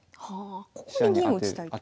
ここに銀を打ちたい。